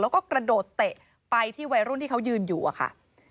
แล้วก็กระโดดเตะไปที่วัยรุ่นที่เขายืนอยู่อะค่ะ